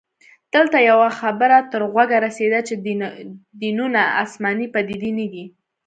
دلته يوه خبره تر غوږه رسیده چې دینونه اسماني پديدې نه دي